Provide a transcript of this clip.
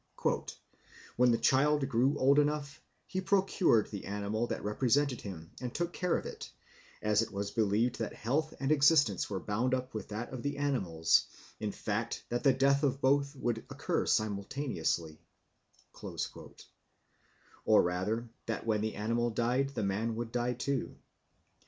"When the child grew old enough, he procured the animal that represented him and took care of it, as it was believed that health and existence were bound up with that of the animal's, in fact that the death of both would occur simultaneously," or rather that when the animal died the man would die too.